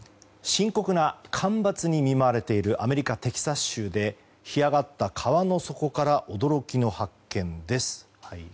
深刻な干ばつに見舞われているアメリカ・テキサス州で干上がった川の底から驚きの発見です。